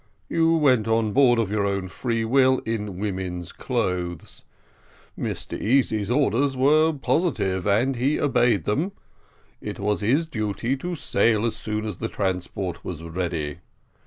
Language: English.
You went on board of your own free will in woman's clothes. Mr Easy's orders were positive, and he obeyed them. It was his duty to sail as soon as the transport was ready.